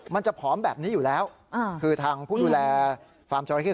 มันจะผอมแบบนี้อยู่แล้วคือทางผู้ดูแลฟาร์มจราเข้